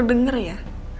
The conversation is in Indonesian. lo tuh denger ya